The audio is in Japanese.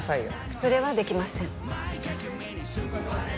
それはできません